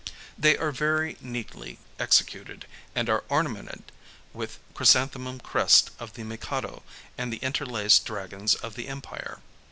They are very neatly executed, and are ornamented with the chrysanthemum crest of the Mikado and the interlaced dragons of the Empire.